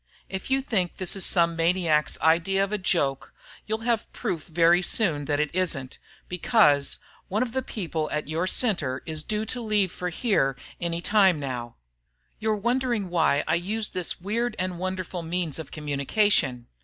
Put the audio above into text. If you think this is some maniac's idea of a joke, you'll have proof very soon that it isn't, because one of the people at your Center is due to leave for here any time now. You're wondering why I used this weird and wonderful means of communication.